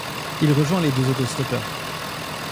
Il rejoint les deux auto-stoppeurs.